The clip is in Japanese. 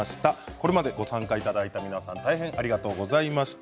これまでご参加いただいた皆さんありがとうございました。